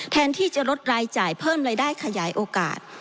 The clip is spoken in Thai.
แทนที่จะลดรายจ่ายเพิ่มรายได้ขยายโอกาส